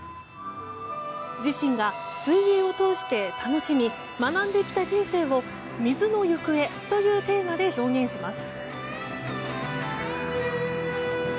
自身が水泳を通して、楽しみ学んできた人生を水のゆくえというテーマで表現します。